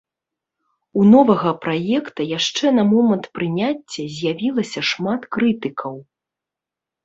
У новага праекта яшчэ на момант прыняцця з'явілася шмат крытыкаў.